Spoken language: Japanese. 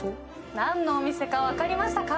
何のお店か分かりましたか？